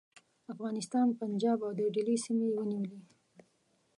افغانستان، پنجاب او د دهلي سیمې یې ونیولې.